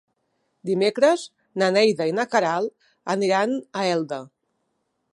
Dimecres na Neida i na Queralt aniran a Elda.